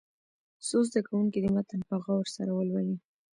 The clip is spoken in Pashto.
څو زده کوونکي دې متن په غور سره ولولي.